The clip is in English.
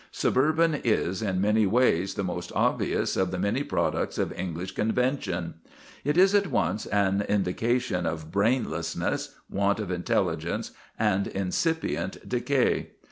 Suburbanism is in many ways the most obvious of the many products of English convention. It is at once an indication of brainlessness, want of intelligence, and incipient decay.